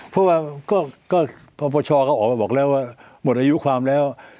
เพราะว่าก็ปปชเขาออกมาบอกแล้วว่าหมดอายุความแล้ว